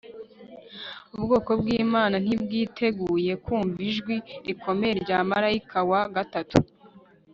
ubwoko bw'imana ntibwiteguye kumva ijwi rikomeye rya marayika wa gatatu